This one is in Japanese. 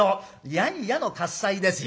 やんやの喝采ですよ。